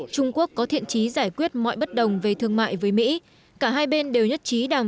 trung quốc có thiện trí giải quyết mọi bất đồng về thương mại với mỹ cả hai bên đều nhất trí đàm